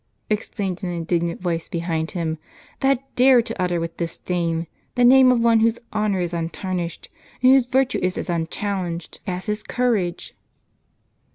exclaimed an indignant voice behind him, " that dare to utter with disdain, the name of one whose honor is untarnished, and whose virtue is as unchal lenged as his courage?"